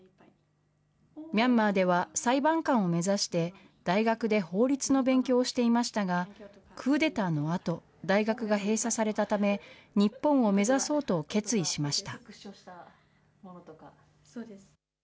ミャンマーでは裁判官を目指して大学で法律の勉強をしていましたが、クーデターのあと、大学が閉鎖されたため、日本を目指そうと決意しました。